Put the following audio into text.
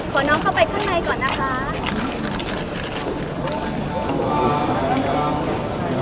สุดท้ายเท่าไหร่สุดท้ายเท่าไหร่